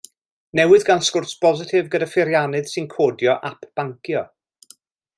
Newydd gael sgwrs bositif gyda pheiriannydd sy'n codio ap bancio.